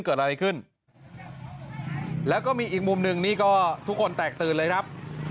เกิดอะไรขึ้นแล้วก็มีอีกมุมหนึ่งนี่ก็ทุกคนแตกตื่นเลยครับ